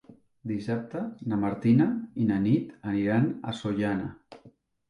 Dissabte na Martina i na Nit aniran a Sollana.